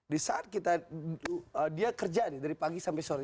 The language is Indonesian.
di saat kita dia kerja nih dari pagi sampai sore